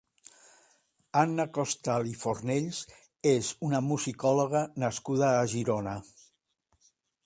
Anna Costal i Fornells és una musicòloga nascuda a Girona.